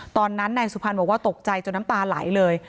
ตอนนั้นนายสุพรรณบอกว่าตกใจจนน้ำตาไหลเลย